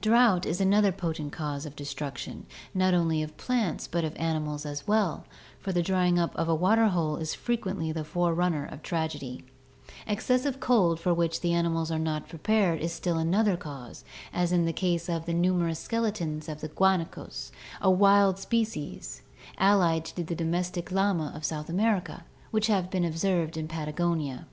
Drought is another potent cause of destruction, not only of plants but of animals as well, for the drying up of a waterhole is frequently the forerunner of tragedy. Excessive cold for which the animals are not prepared is still another cause, as in the case of the numerous skeletons of guanacos, a wild species, allied to the domestic llama of South America, which have been observed in Patagonia.